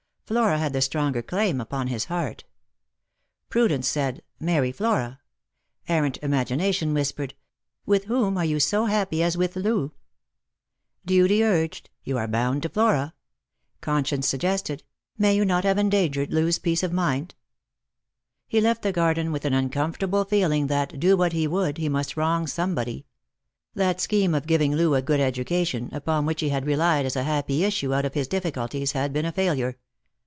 Flora had the stronger claim upon his heart. Pru dence said, " Marry Flora." Errant imagination whispered, " With whom are you so happy as with Loo ?" Duty urged, "You are bound to Flora." Conscience suggested, "May you not have endangered Loo's peace of mind ?" He left the garden with an uncomfortable feeling that, do what he would, he must wrong somebody. That scheme of giving Loo a good education, upon which he had relied as a happy issue out of his difficulties, had been a failure.